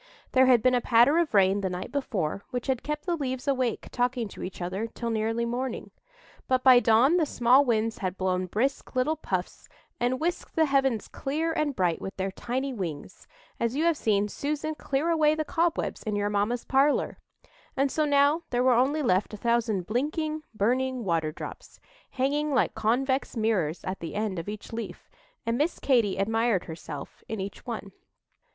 There had been a patter of rain the night before, which had kept the leaves awake talking to each other till nearly morning; but by dawn the small winds had blown brisk little puffs, and whisked the heavens clear and bright with their tiny wings, as you have seen Susan clear away the cobwebs in your mamma's parlour; and so now there were only left a thousand blinking, burning water drops, hanging like convex mirrors at the end of each leaf, and Miss Katy admired herself in each one.